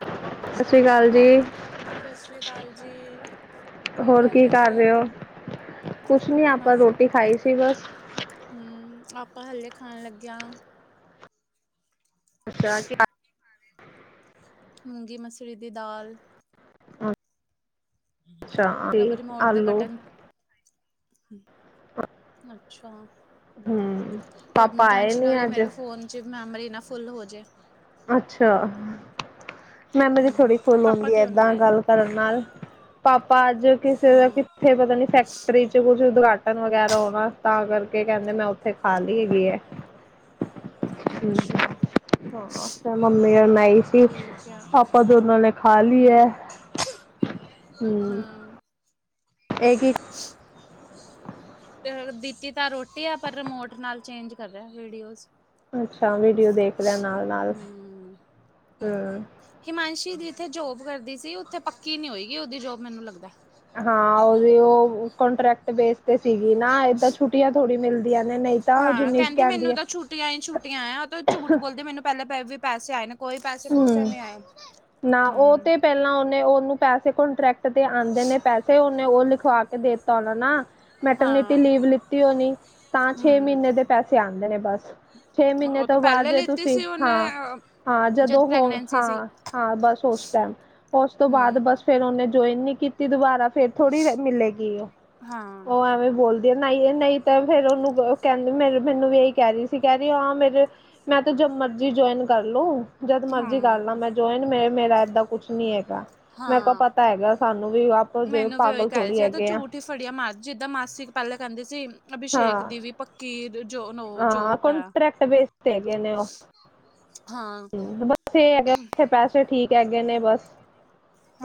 Hello! ਸਤਿ ਸ਼੍ਰੀ ਅਕਾਲ ਜੀ! ਸਤਿ ਸ਼੍ਰੀ ਅਕਾਲ ਜੀ! ਹੋਰ, ਕੀ ਕਰ ਰਹੇ ਹੋ? ਕੁਛ ਨੀ, ਆਪਾਂ ਰੋਟੀ ਖਾਈ ਸੀ। ਬਸ! ਹੂੰ, ਆਪਾਂ ਹਾਲੇ ਖਾਣ ਲੱਗੇ ਆ। ਅੱਛਾ ਜ [unintelligible] ਮੂੰਗੀ- ਮਸਰੀ ਦੀ ਦਾਲ। ਅੱਛਾ ਤੇ ਪ੍ਰਬ ਰੀਮੋਟ ਦੇ ਆਲੂ ਬਟਨ ਅੱਛਾ ਹਮ ਪਬ ਪਾਪਾ ਨੂੰ ਆਏ ਟੈਨਸ਼ਨ ਹੋ ਨੀ ਰਹੀ ਅੱਜ ਮੇਰੇ ਫੋਨ ' ਮੈਮਰੀ ਨਾ ਫੁੱਲ ਹੋ ਜਾਵੇ ਅੱਛਾ ਮੈਮ ਅਜੀ ਥੋੜ੍ਹੀ ਹਮ ਫੁੱਲ ਪਾਪਾ ਆਉਂਦੀ ਆ ਕਿਉਂ ਨਹੀਂ ਏਦਾਂ ਆਏ ਗੱਲ ਕਰਨ ਨਾਲ ਪਾਪਾ ਅੱਜ ਕਿਸੇ ਦਾ ਹਾਂ ਉੱਥੇ ਪਤਾ ਨੀ ਫੈਕਟਰੀ ਚ ਕੁੱਝ ਉਦਘਾਟਨ ਵਗੈਰਾ ਹੋਣਾ ਤਾਂ ਕਰਕੇ ਕਹਿੰਦੇ ਮੈਂ ਉੱਥੇ ਖਾ ਲਈ ਠੀ ਅੱਛਾ ਮੰਮੀ ਨਈ ਸੀ ਠੀਕ ਆ ਪਾਪਾ ਦੋਨਾਂ ਨੇ ਖਾ ਲਈ ਹੈ ਹਮ ਹਮ ਹਾਂ ਇਹ ਇੱਕ ਤੇ ਦਿੱਤੀ ਤਾਂ ਰੋਟੀ ਆ ਪਰ ਰਿਮੋਟ ਨਾਲ ਚੇਂਜ ਕਰ ਰਿਹਾ ਵੀਡੀਓਜ਼ ਅੱਛਾ ਵੀਡੀਓ ਦੇਖ ਲਿਆਂ ਨਾਲ ਨਾਲ ਹਮ ਹਮ ਹਿਮਾਂਸ਼ੀ ਜਿੱਥੇ ਜੋਬ ਕਰਦੀ ਸੀ ਉੱਥੇ ਪੱਕੀ ਨਹੀਂ ਹੋਏਗੀ ਉਹਦੀ ਜੋਬ ਮੈਨੂੰ ਲੱਗਦਾ ਹਾਂ ਉਹਦੇ ਉਹ ਕੰੋਂਟਰੈਕਟ ਬੇਸ ਤੇ ਸੀਗੀ ਨਾ ਇਏਦਾਂ ਛੁੱਟੀਆਂ ਥੋੜ੍ਹੀ ਮਿਲਦੀ ਆਂ ਨੇ ਨਹੀਂ ਤਾਂ ਉਹ ਜਿੰਨੀ ਚ ਕਹਿੰਦੀਏ ੱਟ ਛੋਟੀਆਂ ਆਆ ਉਹ ਝੂਠ ਬੋਲਦੇੈਨ ਪਹਿਲ ਪ ਵੀ ਪੈਸੇ ਆਏ ਨੇ ਕੋਈ ਪੈਸੇ ਪੂਸੇ ਹੂੰ ਨਹੀਂ ਆਏ ਉਹ ਹੂੰ ਤੇ ਪਹਿਲਾਂ ਉਹਨੇ ਉਹਨੂੰ ਪੈਸੇ ਕੋਂਟਰੈਕਟ ਤੇ ਆਉਂਦੇ ਨੇ ਪੈਸੇ ਉਹਨੇ ਉਹ ਲਿਖਵਾ ਕੇ ਦਿੱਤਾ ਉਹਨਾ ਨਾ ਮੈਟਰਨਿਟੀ ਹਾਂ ਲੀਵ ਲਿੱਤੀ ਹੋਣੀ ਤਾਂ ਛੇ ਹੂੰ ਮਹੀਨੇ ਦੇ ਪੈਸੇ ਆਉਂਦੇ ਨੇ ਬਸ। ਛੇ ਮਹੀਨੇ ਉਹ ਤਾਂ ਤੋਂ ਬਾਅਦ ਪਹਿਲੇ ਜੇ ਲਿੱਤੀ ਤੁਸੀਂ ਸੀ ਉਹਨੇ ਹਾਂ ਹਾਂ ਜਦ ਜਦੋਂ ਹੋ ਪ੍ਰੈਗਨੈਂਸੀ ਸੀ ਹਾਂ। ਹਾਂ ਬਸ ਉਸ ਟਾਈਮ ਉਸ ਤੋਂ ਬਾਅਦ ਹੂੰ ਬਸ ਫੇਿਰ ਉਹਨੇ ਜੁਆਇਨ ਨੀ ਕੀਤੀ ਦੁਬਾਰਾ ਫੇਿਰ ਥੋੜੀ ਮਿਲੇਗੀ ਉਹ ਹਾਂ ਉਹ ਐਵੇਂ ਬੋਲ ਨਹੀਂ, ਨਹੀਂ ਤਾਂ ਫੇਿਰ ਉਹਨੂੰ ਕਹਿੰਦੇ ਮੇ ਮੈਨੂੰ ਵੀ ਇਹੀ ਕਹਿ ਰਹੀ ਸੀ ਕਹਿ ਰਹੀ ਹਾਂ ਮੇਰੇ ਮੈਂ ਤੇ ਜਦ ਮਰਜ਼ੀ ਜੁਆਇਨ ਕਰ ਲੋ। ਜਦ ਮਰਜੀੀ ਕਰ ਹਾਂ ਲ ਮੈਂ ਜੋਏ ਮੇ ਮੇਰਾ ਏਦਾਂ ਕੁਛ ਨੀ ਹੈਗਾ ਮੇਰੇ ਕੋ ਹਾਂ ਪਤਾ ਹੈਗਾ। ਸਾਨੂੰ ਵੀ ਜਿਵੇਂ ਮੈਨੂੰ ਵੀ ਉਹੀ ਪਾਗਲ ਕਹਿ ਰਹੇ ਥੋੜ੍ਹੀ ਸੀ ਇਹ ਤਾਂ ਹੈਗੇ ਆ ਝੂਠ ਹੀ ਫੜਿਆ ਮਾ ਜਿੱਦਾਂ ਮਾਸੀਪਹਿਲਾਂ ਕਹਿੰਦੀ ਸੀ ਅਭਿਸ਼ੇਕ ਹਾਂ ਦੀ ਵੀ ਪਕੀਰ ਜੋ ਜੋ ਹਾਂ ਪੈ ਕੰਟਰੈਕਟ ਬੇਸ ਤੇ ਹੈਗੇ ਨੇ ਉਹ ਬਸ ਇਹ ਹੈ ਉਥੇ ਪੈਸੇ ਠੀਕ ਹੈਗੇ ਨੇ ਬਸ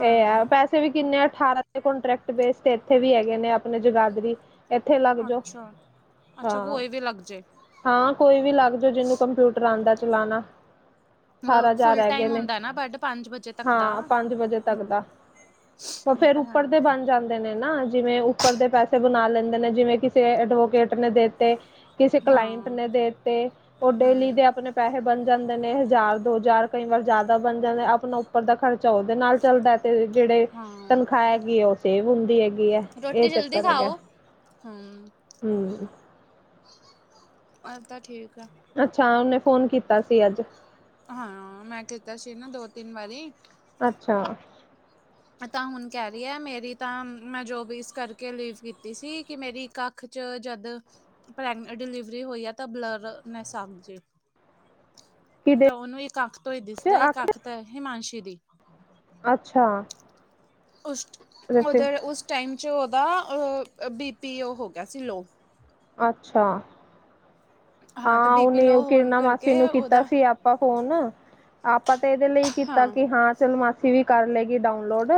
ਇਹ ਹੈ ਪੈਸੇ ਇਥੇ ਵੀ ਕਿੰਨੇ ਅਠਾਰਾਂ ਕੋਂਟੈਕਟ ਬੇਸ ਇੱਥੇ ਵੀ ਹੈਗੇ ਨੇ ਆਪਣੇ ਜਗਾਦਰੀ ਇੱਥੇ ਲੱਗ ਜਾੋ ਅੱਛਾ, ਅੱਛਾ ਹਾਂ ਕੋਈ ਵੀ ਲੱਗ ਜੇ। ਹਾਂ ਕੋਈ ਵੀ ਲੱਗ ਜਾ ਜਿਹਨੂੰ ਕੰਪਿਊਟਰ ਆਉਂਦਾ ਚਲਾਣਾ ਅਠਾਰਾਂ ਹਾਰ ਫੁਲ ਰਹਿ ਗਏ ਟਾਈਮ ਨੇ ਹੁੰਦਾ ਨਾ ਬਟ ਪੰਜ ਵਜੇ ਤੱਕ ਦਾ। ਹਾਂ ਪੰਜ ਵਜੇ ਤੱਕ ਹੂੰ, ਦਾ ਏ ਫੇਰ ਤਾਂ ਹੈ ਉੱਪਰ ਦੇ ਬਣ ਜਾਂਦੇ ਨੇ ਨਾ ਜਿਵੇਂ ਉੱਪਰ ਦੇ ਪੈਸੇ ਬਣਾ ਲੈਂਦੇ ਨੇ ਜਿਵੇਂ ਕਿਸੇ ਐਡਵੋਕੇਟ ਨੇ ਦੇਤੇ ਕਿਸੇ ਕਲਾਇੰਟ ਹਾਂ, ਨੇ ਦੇਤੇ ਉਹ ਡੇਲੀ ਹੂੰ, ਦੇ ਆਪਣੇ ਪੈਸੇ ਬਣ ਜਾਂਦੇ ਨੇ ਹਜ਼ਾਰ ਦੋ ਹਜ਼ਾਰ ਕਈ ਵਾਰ ਜ਼ਿਆਦਾ ਬਣ ਜਾਂਦਾ ਆਪਣਾ ਉੱਪਰ ਦਾ ਖਰਚਾ ਉਹਦੇ ਨਾਲ ਚੱਲਦਾ। ਤੇ ਜਿਹੜੇ ਹਾਂ। ਤਨਖਾਹ ਹੈਗੀ ਹੈ ਉਹ ਸੇਵ ਹੁੰਦੀ ਹੈਗੀ ਹੈ ਇਹ ਚੱਕਰ ਹੈਗਾ। ਹਮ ਹਮ ਹੱਲ ਤਾਂ ਠੀਕ ਆ। ਅੱਛਾ ਉਹਨੇ ਫੋਨ ਕੀਤਾ ਸੀ ਅੱਜ। ਹਾਂ ਮੈਂ ਕੀਤਾ ਸੀ ਨਾ ਦੋ ਤਿੰਨ ਵਾਰੀ ਅੱਛਾ। ਤਾਂ ਹੁਣ ਕਹਿ ਰਹੀ ਹੈ ਮੇਰੀ ਤਾਂ ਮੈਂ ਜੋਬ ਇਸ ਕਰਕੇ ਲੀਵ ਕੀਤੀ ਸੀ ਕਿ ਮੇਰੀ ਇੱਕ ਕ ੱ ਜਦ ਪ੍ਰੈਗਨਡ ਡਿਲੀਵਰੀ ਹੋਈ ਆ ਤਾਂ ਬਲਰ ਨ ਕਿਦੇ ਤਾਂ ਉਹਨੂੰ ਇੱਕ ਅੱਖ ਤੋਂ ਹੀ ਚ ਦਿਸਦਾ ਇੱਕ ਆਖਰ ਅੱਖ ਤਾਂ ਹਿਮਾਂਸ਼ੀ ਦੀ ਅੱਛਾ। ਉਸ ਉਧਰ ਉਸ ਟਾਈਮ 'ਚ ਉਹਦਾ ਬੀ ਪੀ ਉਹ ਹੋ ਗਿਆ ਸੀ ਲੋਅ ਅੱਛਾ। ਤਾਂ ਹਾਂ ਬੀ ਪੀ ਉਹਨੇ ਉਹ ਲੋਅ ਹੋਣ ਕਿਰਨਾ ਮਾਸੀ ਕਰਕੇ ਨੂੰ ਕੀਤਾ ਉਹਦਾ ਸੀ। ਆਪਾਂ ਫੋਨ ਆਪਾਂ ਤੇ ਇਹਦੇ ਲਈ ਕੀਤਾ ਸੀ ਹਾਂ ਚਲ ਮਾਸੀ ਵੀ ਕਰ ਲਏਗੀ ਡਾਊਨਲੋਡ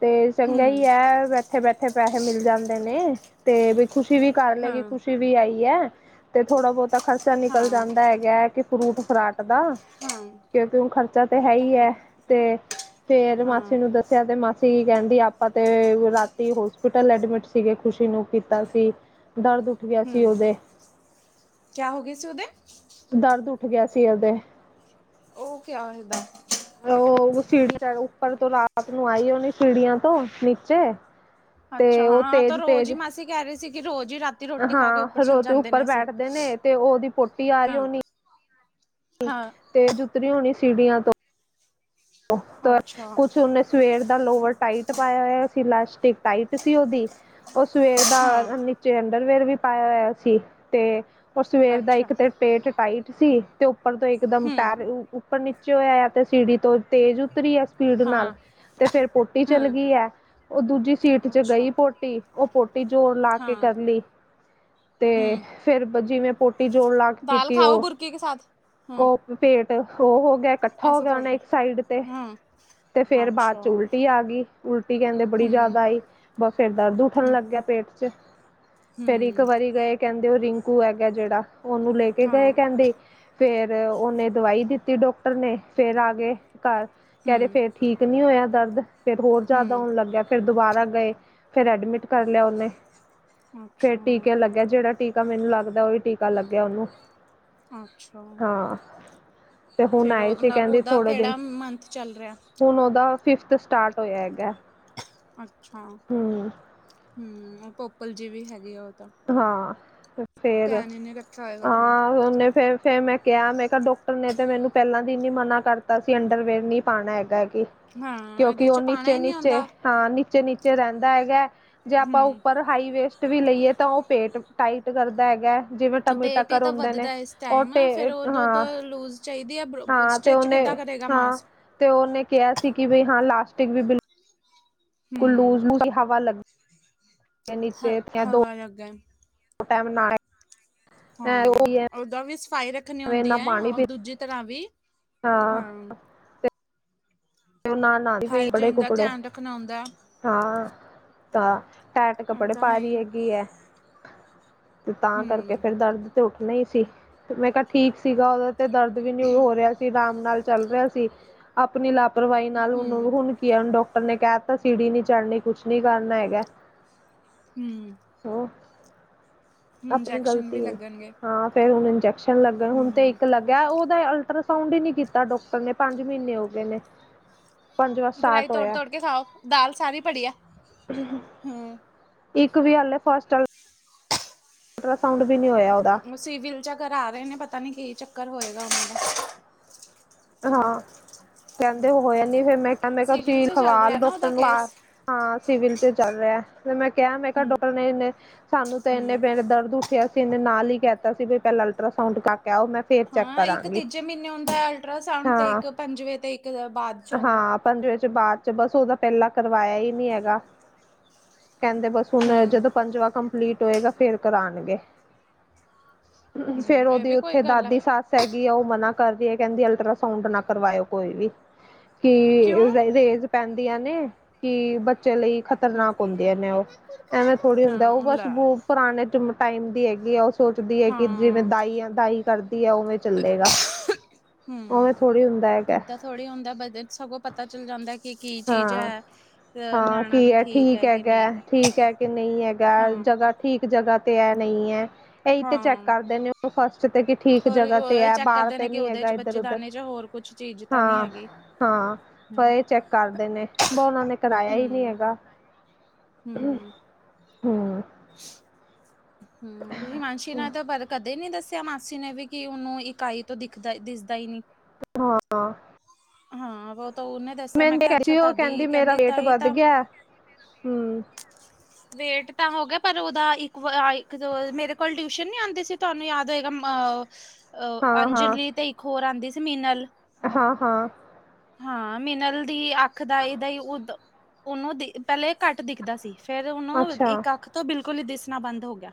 ਤੇ ਚੰਗਾ ਹੂੰ ਹੀ ਹੈ। ਇੱਥੇ ਬੈਠੇ ਪੈਸੇ ਮਿਲ ਜਾਂਦੇ ਨੇ ਤੇ ਵੀ ਖੁਸ਼ੀ ਵੀ ਕਰ ਲਏਗੀ ਹਾਂ ਖੁਸ਼ੀ ਵੀ ਆਈ ਹੈ। ਤੇ ਥੋੜ੍ਹਾ ਬਹੁਤਾ ਖਰਚਾ ਨਿਕਲ ਹਾਂ ਜਾਂਦਾ ਹੈਗਾ ਹੈ ਕਿ ਫਰੂਟ ਫਰਾਟ ਦਾ ਹਾਂ ਕਿਉਂਕਿ ਉਹੁ ਖਰਚਾ ਤਾਂ ਹੈ ਹੀ ਹੈ ਤੇ ਫੇਰ ਹਾਂ ਮਾਸੀ ਨੂੰ ਦੱਸਿਆ ਤੇ ਹੂੰ ਮਾਸੀ ਕਹਿੰਦੀ ਆਪਾਂ ਤੇ ਰਾਤੀ ਹੋਸਪਿਟਲ ਐਡਮਿਟ ਸੀਗੇ ਖ਼ੁਸ਼ੀ ਨੂੰ ਕੀਤਾ ਸੀ ਦਰਦ ਗਿਆ ਸੀ ਹਮ ਉਹਦੇ ਕਿਆ ਹੋ ਗਏ ਸੀ ਉਹਦੇ ਦਰਦ ਉੱਠ ਗਿਆ ਸੀ ਉਹਦੇ ਉਹ ਕਿਆ ਹੋਦਾ। ੳ ਸੀੜੀ ਉੱਪਰ ਤੋਂ ਰਾਤ ਨੂੰ ਆਈ ਉਹਨੇ ਸੀੜੀਆਂ ਤੋਂ ਨੀਚੇ ਅੱਛਾ ਤੇ ਉਹ ਹਾਂ ਤਾਂ ਤੇਜ਼ ਰੋਜ਼ ਤੇਜ਼ ਹੀ ਮਾਸੀ ਕਹਿ ਰਹੀ ਸੀ ਕਿ ਰੋਜ਼ ਹੀ ਰਾ ਰੋਟੀ ਖਾ ਕੇ ਉੱਪਰ ਹਾਂ ਚਲੇ ਰੋਤੇ ਜਾਂਦੇ ਉੱਪਰ ਨੇ ਅਸੀਂ ਬੈਠਦੇ ਨੇ ਤੇ ਉਹਦੀ ਹਾਂ ਹਾਂ ਤੇ ਜੁਤਰੀ ਹੋਣੀ ਸੀੜੀਆਂ ਤੋਂ ਅੱਛਾ ਕੁਛ ਓਨੇ। ਸਵੇਰ ਦਾ ਲੋਵਰ ਟਾਈਟ ਪਾਇਆ ਹੋਇਆ ਸੀ ਲਾਸਟਿਕ ਟਾਈਟ ਸੀ ਉਹਦੀ। ਉਹ ਸਵੇਰ ਹਾਂ ਦਾ ਨੀਚੇ ਅੰਡਰਵੇਅਰ ਵੀ ਪਾਇਆ ਹੋਇਆ ਸੀ ਤੇ ਪਰ ਸਵੇਰ ਦਾ ਅੱਛਾ ਇੱਕ ਤੇ ਪੇਟ ਟਾਈਟ ਸੀ ਤੇ ਉੱਪਰ ਤੋਂ ਇਕ ਦਮ ਹੂੰ ਪੈਰ ਫਿਰ ਨੀਚੇ ਹੋਇਆ ਤੇ ਸੀੜੀ ਤੋਂ ਤੇਜ਼ ਉਤਰੀ ਐ ਸਪੀਡ ਨਾਲ ਹਾਂ ਤੇ ਫੇਰ ਪੋਟੀ ਚੱਲ ਹਾਂ ਗਈ ਐ। ਉਹ ਦੂਜੀ ਸੀਟ ਚ ਅੱਛਾ ਗਈ ਪੋਟੀ ਉਹ ਪੋਟੀ ਜ਼ੋਰ ਲਾ ਕੇ ਹਾਂ ਕਰ ਲਈ। ਤੇ ਫੇਰ ਜਿਵੇਂ ਪੋਟੀ ਜੋੜ ਲਾ ਕੇ ਕੀਤੀ ਉਹ ਉਹ, ਪੇਟ ਉਹ ਹੋ ਗਿਆ ਇਕੱਠਾ ਹੋ ਗਿਆ ਹੋਣਾ ਇੱਕ ਸਾਈਡ ਤੇ ਹੂੰ, ਤੇ ਫੇਰ ਬਾਅਦ ਚ ਉਲਟੀ ਆ ਗਈ ਉਲਟੀ ਕਹਿੰਦੇ ਬੜੀ ਜ਼ਿਆਦਾ ਆਈ। ਬਸ ਫਿਰ ਦਰਦ ਉੱਠਣ ਲੱਗਿਆ ਪੇਟ ਚ। ਹੂੰ, ਫੇਰ ਇੱਕ ਵਾਰੀ ਗਏ ਕਹਿੰਦੇ ਉਹ ਰਿੰਕੂ ਹੈਗਾ ਜਿਹੜਾ ਉਹਨੂੰ ਲੈ ਕੇ ਗਏ ਕਹਿੰਦੇ। ਫੇਰ ਉਹਨੇ ਦਵਾਈ ਦਿੱਤੀ ਡਾਕਟਰ ਨੇ ਫੇਰ ਆ ਗਏ ਘਰ ਕਹਿਦੇ ਫੇਰ ਠੀਕ। ਨਹੀਂ ਹੋਇਆ ਦਰਦ ਫੇਰ ਹੋਰ ਜ਼ਿਆਦਾ ਹੋਣ ਲੱਗਿਆ। ਫਿਰ ਦੁਬਾਰਾ ਗਏ ਫਿਰ ਐਡਮਿਟ ਕਰ ਲਿਆ ਉਹਨੇ ਫੇਿਰ ਅੱਛਾ ਟੀਕੇ ਲੱਗੇ। ਜਿਹੜਾ ਟੀਕਾ ਮੈਨੂੰ ਲੱਗਦਾ ਹੀ ਟੀ ਲੱਗਿਆ ਉਹਨੂੰ ਅੱਛਾ ਹਾਂ ਤੇ ਹੁਣ ਫਿਰ ਆਏ ਸੀ ਉਹਦਾ, ਕਹਿੰਦੀ ਉਹਦਾ ਥੋੜੇ ਦਿਨ ਕਿਹੜਾ ਮੰਥ ਚੱਲ ਰਿਹਾ। ਹੁਣ ਉਹਦਾ ਫਿਫਥ ਸਟਾਰਟ ਹੋਇਆ ਹੈਗਾ। ਅੱਛਾ ਹਮ ਹਮ ਉਹ ਪੋਪਲ ਜੀ ਵੀ ਹੈਗੇ ਆ ਉਹ ਤਾਂ ਹਾਂ ਫੇਰ ਧਿਆਨ ਹੀ ਨਹੀਂ ਰੱਖਿਆ ਹੋਏਗਾ ਆਪਣਾ ਹਾਂ ਉਹਨੇ ਫੇਰ ਫਿਰ ਮੈਂ ਕਿਹਾ ਮੈਂ ਕਿਹਾ ਡਾਕਟਰ ਨੇ ਤੇ ਮੈਨੂੰ ਪਹਿਲਾਂ ਦੀ ਨ ਮਨਾ ਕਰਤਾ ਸੀ ਅੰਡਰਵੇਅਰ ਨੀ ਪਾਉਣਾ ਹੈਗਾ ਕਿ ਹਾਂ ਇਹਦੇ ਕਿਉਂਕਿ ਚ ਉਹ ਪਾਣਾ ਨੀਚੇ ਹੀ ਨਹੀਂ ਨੀਚੇ ਆਉਂਦਾ ਹਾਂ ਨੀਚੇ ਨੀਚੇ ਰਹਿੰਦਾ ਹੈਗਾ ਜੇ ਆਪਾਂ ਹੂੰ ਉੱਪਰ ਹਾਈ ਵੇਸਟ ਵੀ ਲਈਏ। ਤਾਂ ਉਹ ਪੇਟ ਟਾਈਟ ਕਰਦਾ ਹੈਗਾ। ਜਿਵੇਂ ਟਮੀ ਪੇਟ ਹੀ ਟੱਕਰ ਤਾਂ ਹੁੰਦੇ ਨੇ ਵੱਧਦਾ ਇਸ ਉਹ ਟਾਈਮ ਟੇ ਫਿਰ ਉਦੋਂ ਹਾਂ ਤਾਂ ਲੂਜ ਚਾਹੀਦੀ ਆ ਹਾਂ ਤੇ ਸਟਿਚ ਉਹਨੇ ਕਿੱਦਾਂ ਕਰੇਗਾ ਹਾਂ ਮਾਸ ਤੇ ਉਹਨੇ ਕਿਹਾ ਸੀ ਕਿ ਬਈ ਹਾਂ ਲਾਸਟਿਕ ਵੀ ਬਿਲ ਹੂੰ, ਲੂਜ਼ੂ ਹਵਾ ਲੱ ਹ ਹਵਾ ਲੱਗਾ ਟਾਈਮ ਨਾਲ ਹਾਂ, ਉਹਦਾ ਵੀ ਸਫ਼ਾਈ ਰੱਖਣੀ ਹੁੰਦੀ ਨਾ ਐ ਪਾਣੀ ਪੀ ਦੂਜੀ ਤਰ੍ਹਾਂ ਵੀ ਹਾਂ ਨਾ ਨਾਦੀ ਪਈ ਕੱਪੜੇ ਹਾਈਜੀਨ ਦਾ ਕੁਪੜੇ ਧਿਆਨ ਰੱਖਣਾ ਹੁੰਦਾ, ਹਾਂ। ਤਾਂ ਟੈਟ ਉਹ ਕੱਪੜੇ ਤਾਂ ਪਾ ਹੈ ਰਹੀ ਈ। ਹੈਗੀ ਐ। ਤੇ ਤਾਂ ਕਰਕੇ ਹੂੰ, ਫੇਰ ਦਰਦ ਤੇ ਉੱਠਣਾ ਹੀ ਸੀ ਤੇ ਮੈਂ ਕਿਹਾ ਠੀਕ ਸੀਗਾ ਉਹਦੇ ਤੇ ਦਰਦ ਵੀ ਨੀ ਹੋ ਰਿਹਾ ਸੀ। ਆਰਾਮ ਨਾਲ ਚੱਲ ਰਿਹਾ ਸੀ ਆਪਣੀ ਲਾਪਰਵਾਹੀ ਨਾਲ ਹੁਣ ਹੂੰ, ਹੁਣ। ਡਾਕਟਰ ਨੇ ਕਹਿ ਤਾਂ ਸੀੜੀ ਨੀ ਚੜਨੀ ਕੁਛ ਨੀ ਕਰਨਾ ਹੈਗਾ। ਹੂੰ ਹੋ। ਆਪਣੀ ਇੰਜੈਕਸ਼ਨ ਗ਼ਲਤੀ ਵੀ ਏ ਲੱਗਣਗੇ। ਹਾਂ ਫੇਰ ਹੁਣ ਇੰਜੈਕਸ਼ਨ ਲੱਗਣ ਹੁਣ ਤੇ ਹੂੰ, ਇੱਕ ਲੱਗ ਉਹਦਾ ਅਲਟਰਾਸਾਊਂਡ ਹੀ ਨੀ ਕੀਤਾ ਡਾਕਟਰ ਨੇ ਪੰਜ ਮਹੀਨੇ ਹੋ ਗਏ ਨੇ। ਪੰਜਵਾਂ ਗਰਾਈ ਸਟਾਰਟ ਤੋੜ ਹੋਇਆ ਤੋੜ ਕੇ ਖਾਓ ਦਾਲ ਸਾਰੀ ਪੜੀ ਆ। [inaudible] ਹਾਂ, ਇੱਕ ਵੀ ਹੱਲ ਐ ਫਸਟ ਸਾਊਂਡ ਵੀ ਨੀ ਹੋਇਆ ਉਹਦਾ। ਉਹ ਸਿਵਿਲ ਜਾ ਕਰਾ ਰਹੇ ਨੇ ਪਤਾ ਨੀ ਕੀ ਚੱਕਰ ਹੋਏਗਾ ਉਹਨਾਂ ਦਾ। ਹਾਂ, ਕਹਿੰਦੇ ਹੋਆ ਨੀ ਫਿਰ ਮੈਂ ਕਿਹਾ ਮੈਂ ਕਿਹਾ ਸਿਵਿਲ ਤੁਸੀਂ ਚ ਚੱਲ ਖਵਾ ਲਓ ਰਿਹਾ ਨਾ ਉਹਦਾ ਡਾਕਟਰ ਆ। ਕੇਸ, ਹਾਂ ਸਿਵਲ ਚ ਚੱਲ ਰਿਹਾ ਤੇ ਮੈਂ ਕਿਹਾ ਮੈਂ ਕਿਹਾ ਹੂੰ। ਡਾਕਟਰ ਨੇ ਇਨੇ ਸਾਨੂੰ ਤੇ ਇੰਨੇ ਹੂੰ, ਬੇਨ ਦਰਦ। ਉੱਠਿਆ ਸੀ ਇਹਨੇ ਨਾਲ ਹੀ ਕਹਿਤਾ ਸੀ ਵੀ ਪਹਿਲਾਂ ਅਲਟਰਾਸਾਊਡ ਕਰਕੇ ਆ ਹਾਂ, ਇੱਕ ਤੀਜੇ ਮਹੀਨੇ ਹੁੰਦਾ ਅਲਟਰਾਸਾਊਂਡ ਤੇ ਹਾਂ ਇੱਕ ਪੰਜਵੇਂ ਤੇ ਇੱਕ ਬਾਅਦ ਚ ਆਉਂਦਾ। ਹਾਂ ਪੰਜਵੇਂ ਚ ਬਾਅਦ ਚ ਬਸ ਉਹਦਾ ਪਹਿਲਾਂ ਕਰਵਾਇਆ ਹੀ ਨਹੀਂ ਹੈਗਾ ਕਹਿੰਦੇ ਬਸ। ਹੁਣ ਹੂੰ। ਜਦੋਂ ਪੰਜਵਾਂ ਕੰਪਲੀਟ ਹੋਏਗਾ ਫੇਰ ਕਰਾਣਗੇ। ਫੇਰ ਹੂੰ ਇਹ ਉਹਦੀ ਵੀ ਕੋਈ ਉੱਥੇ ਗੱਲ ਹੈ ਦਾਦੀ ਸੱਸ। ਹੈਗੀ ਆ ਉਹ ਮਨਾ ਕਰ ਰਹੀ ਹੈ ਕਹਿੰਦੀ ਅਲਟਰਾਸਾਊਂਡ ਨਾ ਕਰਵਾਇਓ ਕੋਈ ਵੀ ਕਿਉਂ ਕਿ ਰੇਜ਼ ਪੈਂਦੀਆਂ ਨੇ ਕਿ ਬੱਚੇ ਲਈ ਹੂੰ ਖ਼ਤਰਨਾਕ ਹੁੰਦੇਆਂ ਨੇ ਉਹ ਐਵੇਂ ਥੋੜ੍ਹੀ ਹੁੰਦਾ ਉਹ ਹਾਂ ਬਸ ਲੈ ਬ ਪੁਰਾਣੇ ਟਾਈਮ ਦੀ ਹੈਗੀ ਆ ਉਹ ਸੋਚਦੀ ਹੈਗੀ ਜਿਵੇਂ ਹਾਂ ਦਾਈ ਆ ਦਾਈ ਕਰਦੀ ਹੈ ਉਵੇਂ ਚੱਲੇਗਾ ਹਮ ਉਵੇਂ ਥੋੜ੍ਹੀ ਹੁੰਦਾ ਹੈਗਾ ਉਦ ਥੋੜ੍ਹੀ ਹੁੰਦਾ ਬ ਸਗੋਂ ਪਤਾ ਚੱਲ ਜਾਂਦਾ ਕਿ ਕੀ ਚੀਜ਼ ਹਾਂ ਹੈ। ਅ ਹਾਂ ਨਿਆਣਾ ਕੀ ਵੀ ਹੈ ਠੀਕ ਕਿ ਹੈਗਾ ਨਹੀਂ ਠੀਕ ਹੈ ਕਿ ਨਹੀਂ ਹੈਗਾ ਹਾਂ ਜਗ੍ਹਾ ਠੀਕ ਜਗ੍ਹਾ 'ਤੇ ਹੈ ਨਹੀਂ ਹੈ ਇਹੀ ਤੇ ਚੈੱਕ ਹਾਂ। ਕਰ ਦਿੰਦੇ ਉਹ ਫਸਟ ਤੇ ਕਿ ਠੀਕ ਹੋਰ ਜਗ੍ਹਾ ਤੇ ਇਹ ਹੈ ਚੈੱਕ ਬਾਹਰ ਕਰਦੇ ਤੇ ਨੇ ਕਿ ਨੀ ਉਹਦੇ ਹੈਗਾ ਚ ਇੱਧਰ ਉਧਰ ਬੱਚੇਦਾਨੇ ਚ ਹੋਰ ਕੁਛ ਚੀਜ਼ ਤਾਂ ਨਹੀਂ ਹਾਂ ਹੈਗੀ। ਹਾਂ ਪਰ ਚੈੱਕ ਕਰਦੇ ਨੇ ਬ ਉਹਨਾਂ ਨੇ ਕਰਾਇਆ ਹੀ ਨਹੀਂੀ ਹੂੰ ਹੈਗਾ ਹੂੰ ਹੂੰ, ਹਿਮਾਨਸੀ ਨਾਲ ਤਾਂ [unintelligible] ਕਦੇ ਨੀ ਦੱਸਿਆ ਮਾਸੀ ਨੇ ਵੀ ਕਿ ਉਹਨੂੰ ਇਕਾਈ ਤੋਂ ਦਿਖਦਾ ਦਿਸਦਾ ਹੀ ਨੀ। ਹਾਂ, ਹਾਂ, ਉਹ ਤਾਂ ਉਹਨੇ ਦੱਸਿਆ ਮ ਮੈਂ ਕਿਹਾ ਅੱਛਾ ਕਹਿੰਦੀ ਉਹ ਤਦੀ ਕਹਿੰਦੀ ਮੇਰਾ ਵੇਟ ਤਾਂਹੀ ਵੱਧ ਤਾਂ ਗਿਆ ਹਮ ਵੇਟ ਤਾਂ ਹੋ ਗਿਆ ਪਰ ਉਹਦਾ ਇੱਕ ਮੇਰੇ ਕੋਲ ਟਿਊਸ਼ਨ ਨਹੀਂੀ ਆਉਂਦੀ ਸੀ ਤੁਹਾਨੂੰ ਯਾਦ ਗਾ ਅ ਹਾਂ ਹਾਂ ਅੰਜਲੀ ਤੇ ਇੱਕ ਹੋਰ ਆਉਂਦੀ ਸੀ ਮੀਨਲ ਹਾਂ ਹਾਂ ਹਾਂ ਮਿਨਲ ਦੀ ਅੱਖ ਦਾ ਇਹਦਾ ਹੀ ਉਦ ਉਹਨੂੰ ਦਿ ਪਹਿਲੇ ਘੱਟ ਦਿਖਦਾ ਸੀ ਫੇਰ ਉਹਨੂੰ ਅੱਛਾ ਇੱਕ ਕੱਖ ਤੋਂ ਬਿਲਕੁਲ ਹੀ ਦਿਸਣਾ ਬੰਦ ਹੋ ਗਿਆ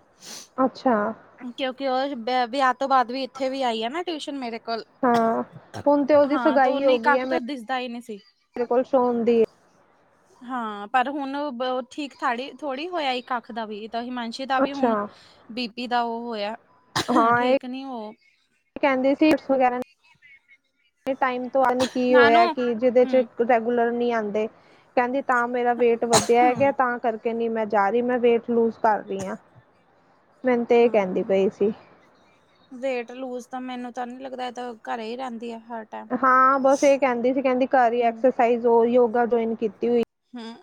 ਅੱਛਾ ਕਿਉਂਕਿ ਉਹ ਵਿ ਵਿਆਹ ਤੋਂ ਬਾਅਦ ਵੀ ਇੱਥੇ ਵੀ ਆਈ ਆ ਨਾ ਟਿਊਸ਼ਨ ਮੇਰੇ ਕੋਲ ਹਾਂ ਹੁਣ ਤੇ ਉਹਦੀ ਹਾਂ ਤੇ ਸਗਾਈ ਹੋ ਉਹਨੇ ਗਈ ਹੈ ਕੱਖ ਤੋਂ ਦਿਸਦਾ ਹੀ ਨਹੀਂ ਸੀ ਮੇਰੇ ਕੋਲ ਸੌਣਦੀ ਹਾਂ ਪਰ ਹੁਣ ਠੀਕ ਥੀ ਥੋੜ੍ਹੀ ਹੋਇਆ ਇੱਕ ਕੱਖ ਦਾ ਵੀ ਤਾਂ ਹਿਮਾਂਸ਼ ਦਾ ਵੀ ਅੱਛਾ ਹੁਣ ਬੀ ਪੀ ਦਾ ਉਹ ਹੋਇਆ ਠੀਕ ਨੀ ਹੋ ਕਹਿੰਦੇ ਸੀਟਸ ਵਗੈਰਾ ਟਾਈਮ ਤੋਂਨ ਕੀ ਨਾਨੂ ਹੋਇਆ ਕਿ ਜਿਹਦੇ ਚ ਹੂੰ ਰੈਗੂਲਰ ਨਹੀਂ ਆਉਂਦੇ ਕਹਿੰਦੀ ਤਾਂ ਮੇਰਾ ਵੇਟ ਵਧਿਆ ਹੈਗਾ ਹੂੰ ਤਾਂ ਕਰਕੇ ਨਹੀਂੀ ਮੈਂ ਜਾ ਰਹੀ ਮੈਂ ਵੇਟ ਲੂਜ ਕਰ ਰਹੀ ਹਾਂ ਮੈਨੂੰ ਤੇ ਇਹ ਕਹਿੰਦੀ ਪਈ ਸੀ ਵੇਟ ਲੂਜ ਤਾਂ ਮੈਨੂੰ ਤਾਂ ਨੀ ਲੱਗਦਾ ਘਰੇ ਹੀ ਰਹਿੰਦੀ ਆ ਹਾਰਟ ਹਾਂ ਬਸ ਇਹ ਕਹਿੰਦੀ ਸੀ ਕਹਿੰਦੀ ਕਰਹੀ ਹੂੰ ਐਕਸਰਸਾਈਜ਼ ਯੋਗਾ ਜੁਆਇਨ ਕੀਤੀ ਹੋਈ ਹਾਂ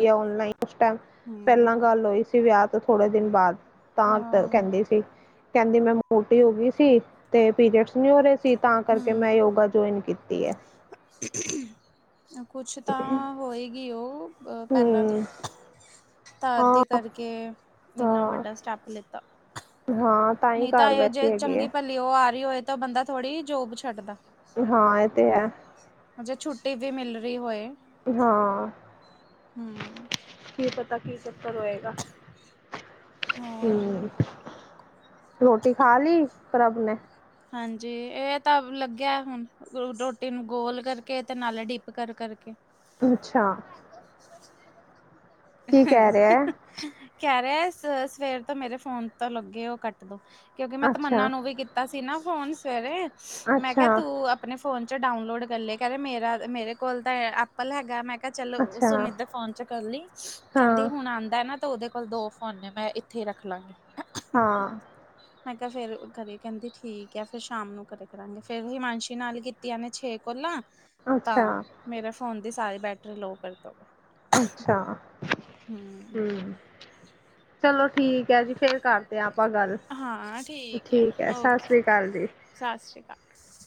ਨਲਾਈਨ ਉਸ ਟਾਈਮ ਹੂੰ ਪਹਿਲਾਂ ਗੱਲ ਹੋਈ ਸੀ ਵਿਆਹ ਤੋਂ ਥੋੜੇ ਦਿਨ ਬਾਅਦ ਤਾਂ ਹਾਂ ਕਹਿੰਦੀ ਸੀ ਕਹਿੰਦੀ ਮੈਂ ਮੋਟੀ ਹੋ ਗਈ ਸੀ ਤੇ ਪੀਰੀਅਡਸ ਨ ਹੋ ਰਹੇ ਸੀ ਤਾਂ ਕਰਕੇ ਹੂੰ ਮੈਂ ਯੋਗਾ ਜੁਆਇਨ ਕੀਤੀ ਹੈ ਕੁਛ ਤਾਂ ਹੋਏਗੀ ਉਹ ਪਹਿਲਾਂ ਦੀ ਹਮ ਤਾਂ ਅਦੇ ਹਾਂ ਕਰਕੇ ਇੰਨਾ ਹਾਂ ਵੱਡਾ ਸਟੈਪ ਲਿੱਤਾ ਹਾਂ ਹੀ ਨਹੀਂ ਤਾਂ ਘਰ ਇਹ ਬੈਠੀ ਜੇ ਹੈਗੀ ਚੰਗੀ ਹੈ ਭੱਲ ਉਹ ਆ ਰਹੀ ਹੋਏ ਤਾਂ ਬੰਦਾ ਥੋੜ੍ਹੀ ਜੋਬ ਛੱਡਦਾ ਹਾਂ ਇਹ ਤੇ ਹੈ ਜੇ ਛੁੱਟੀ ਵੀ ਮਿਲ ਰਹੀ ਹੋਏ ਹਾਂ ਹੂੰ ਕੀ ਪਤਾ ਕੀ ਚੱਕਰ ਹੋਏਗਾ ਹੋਰ ਹਮ ਰੋਟੀ ਖਾ ਲਈ ਕਰਬ ਨੇ ਹਾਂਜੀ ਇਹ ਤਾਂ ਲੱਗਿਆ ਹੁਣ ਰੋਟੀ ਨੂੰ ਗੋਲ ਕਰਕੇ ਤੇ ਨਾਲ ਡਿਪ ਕਰ ਕਰਕੇ ਅੱਛਾ ਕੀ ਕਹਿ ਰਿਹਾ [unintelligible] ਹੈ ਕਹਿ ਰਿਹਾ ਸਵੇਰ ਸਵੇਰ ਤੋਂ ਮੇਰੇ ਫੋਨ ਤੋਂ ਲੱਗੇ ਉਹ ਕੱਟ ਕਿਉਂਕਿ ਮੈਂ ਤਮੰਨਾ ਅੱਛਾ ਨੂੰ ਵੀ ਕੀਤਾ ਸੀ ਨਾ ਫੋਨ ਸਵੇਰੇ ਮੈਂ ਕਿਹਾ ਅੱਛਾ ਤੂੰ ਆਪਣੇ ਫੋਨ ਚ ਡਾਊਨਲੋਡ ਕਰ ਲਏ ਕਹਿ ਰਹੇ ਮੇਰਾ ਮੇਰੇ ਕੋਲ ਤਾਂ ਐਪਲ ਹੈਗਾ ਮੈਂ ਕਿਹਾ ਚਲੋ ਅੱਛਾ ਉਸੋ ਮ ਇਦਾਂ ਫੋਨ ਚ ਕਰ ਲਈ ਕਹਿੰਦੀ ਹਾਂ ਹੁਣ ਆਉਂਦਾ ਨਾ ਤੇ ਉਹਦੇ ਕੋਲ ਦੋ ਫੋਨ ਨੇ ਮੈਂ ਇੱਥੇ ਹੀ ਰੱਖ ਲਵਾਂਗੀ। ਹਾਂ। ਮੈਂ ਕਿਹਾ ਫੇਰ ਘਰੇ ਕਹਿੰਦੀ। ਠੀਕ ਹੈ ਫਰ ਸ਼ਾਮ ਨੂੰ ਕਰੇ ਕਰਾਂਗੇ ਫੇਰ ਹਿਮਾਂਸ਼ੀ ਨਾਲ ਕੀਤੀਆਂਨ ਨੇ ਛੇ ਕੋਲਾਂ। ਅੱਛਾ ਤਾਂ ਮੇਰੇ ਫੋਨ ਦੀ ਸਾਰੀ ਬੈਟਰੀ ਲੋਅ ਕਰ ਦਵੇ ਅੱਛਾ ਹਮ ਚਲੋ ਠੀਕ ਹੈ ਜੀ ਫੇਰ ਕਰ ਅਤੇ ਆਪਾਂ ਗੱਲ ਠੀਕ ਹੈ ਸਤਿ ਸ਼੍ਰੀ ਅਕਾਲ ਜੀ। ਸਤਿ ਸ਼੍ਰੀ ਅਕਾਲ